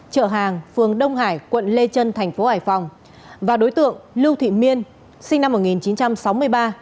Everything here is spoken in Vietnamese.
chợ hàng phường đông hải quận lê trân thành phố hải phòng và đối tượng lưu thị miên sinh năm một nghìn chín trăm sáu mươi ba